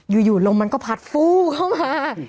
อยู่ลมมันก็พัดฟู้เข้ามา